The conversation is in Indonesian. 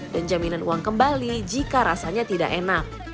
dan jaminan uang kembali jika rasanya tidak enak